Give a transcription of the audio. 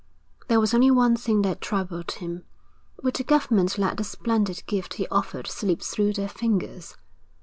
There was only one thing that troubled him. Would the government let the splendid gift he offered slip through their fingers?